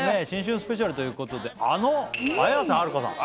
スペシャルということであの綾瀬はるかさん